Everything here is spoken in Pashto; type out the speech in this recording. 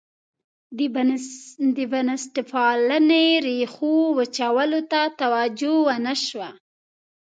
د بنسټپالنې ریښو وچولو ته توجه ونه شوه.